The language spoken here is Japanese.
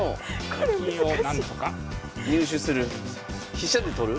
飛車で取る？